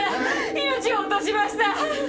命を落としました。